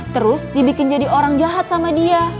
terus dibikin jadi orang jahat sama dia